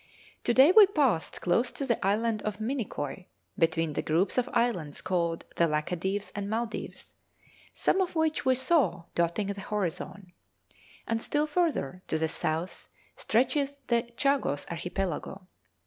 To day we passed close to the island of Minnikoy, between the groups of islands called the Laccadives and Maldives, some of which we saw dotting the horizon; and still further to the south stretches the Chagos Archipelago.